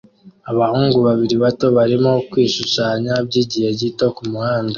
Abahungu babiri bato barimo kwishushanya byigihe gito kumuhanda